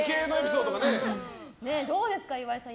どうですか、岩井さん